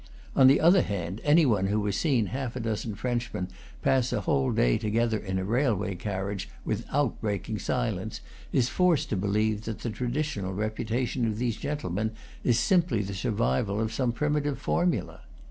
On the other hand, any one who has seen half a dozen Frenchmen pass a whole day together in a railway carriage without breaking silence is forced to believe that the traditional reputation of these gentlemen is simply the survival of some primitive formula.